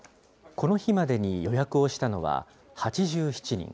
この日までに予約をしたのは８７人。